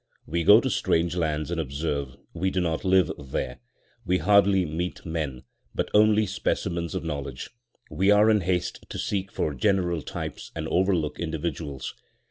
We go to strange lands and observe; we do not live there. We hardly meet men: but only specimens of knowledge. We are in haste to seek for general types and overlook individuals.